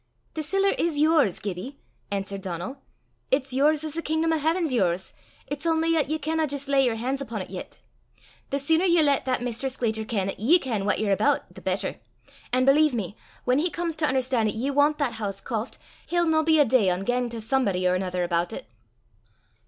"The siller is yours, Gibbie," answered Donal; "it's yours as the kingdom o' haiven's yours; it's only 'at ye canna jist lay yer han's upo' 't yet. The seener ye lat that Maister Scletter ken 'at ye ken what ye're aboot, the better. An' believe me, whan he comes to un'erstan' 'at ye want that hoose koft, he'll no be a day ohn gane to somebody or anither aboot it."